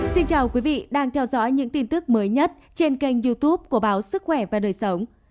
xin chào quý vị đang theo dõi những tin tức mới nhất trên kênh youtube của báo sức khỏe và đời sống